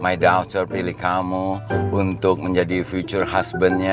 my daughter pilih kamu untuk menjadi future husbandnya